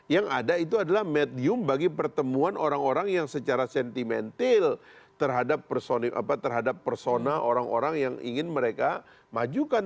yang ada itu adalah medium bagi pertemuan orang orang yang secara sentimental terhadap persona orang orang yang ingin mereka majukan